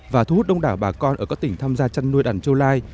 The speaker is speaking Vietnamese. và thu hút đông đảo bà con ở các tỉnh tham gia chăn nuôi đàn châu lai